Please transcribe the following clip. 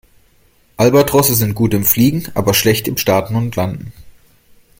Albatrosse sind gut im Fliegen, aber schlecht im Starten und Landen.